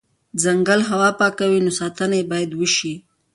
ځنګل هوا پاکوي، نو ساتنه یې بایدوشي